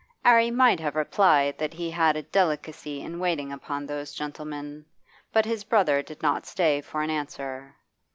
'Arry might have replied that he had a delicacy in waiting upon those gentlemen. But his brother did not stay for an answer.